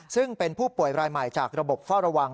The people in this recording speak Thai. ซึ่งเป็นผู้ป่วยรายใหม่จากระบบเฝ้าระวัง